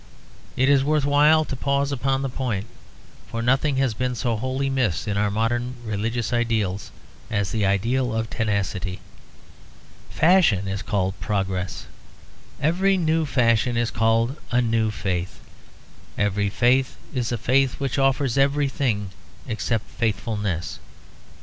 It is worth while to pause upon the point; for nothing has been so wholly missed in our modern religious ideals as the ideal of tenacity. Fashion is called progress. Every new fashion is called a new faith. Every faith is a faith which offers everything except faithfulness.